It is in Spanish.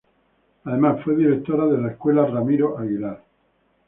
Además, fue directora de la Escuela Ramiro Aguilar.